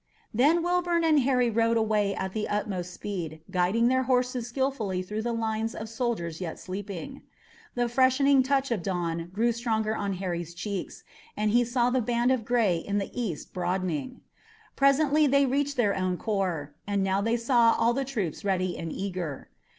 Then Wilbourn and Harry rode away at the utmost speed, guiding their horses skilfully through lines of soldiers yet sleeping. The freshening touch of dawn grew stronger on Harry's cheeks and he saw the band of gray in the east broadening. Presently they reached their own corps, and now they saw all the troops ready and eager.